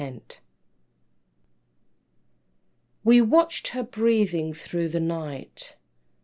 ] We watch'd her breathing through the night.